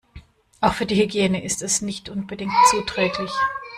Auch für die Hygiene ist es nicht unbedingt zuträglich.